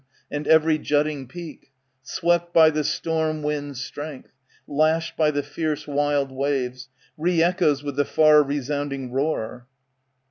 And every jutting peak. Swept by the storm wind's strength, Lashed by the fierce wild waves, Re echoes with the far resounding roar.